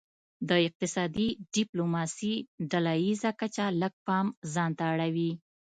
د اقتصادي ډیپلوماسي ډله ایزه کچه لږ پام ځانته اړوي